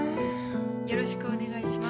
よろしくお願いします。